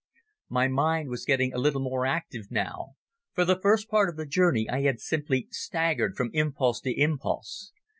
My mind was getting a little more active now; for the first part of the journey I had simply staggered from impulse to impulse.